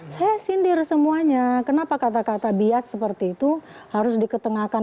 saya sindir semuanya kenapa kata kata bias seperti itu harus diketengahkan